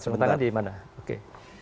sarung tangan di mana oke